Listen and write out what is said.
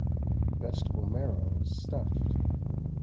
VEGETABLE MARROWS, STUFFED.